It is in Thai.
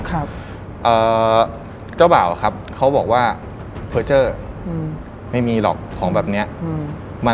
ก็บ่าวครับเขาบอกว่า